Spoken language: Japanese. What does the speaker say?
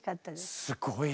すごい！